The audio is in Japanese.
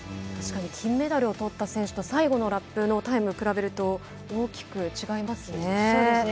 確かに金メダルを取った選手と最後のラップのタイムを比べると大きく違いますね。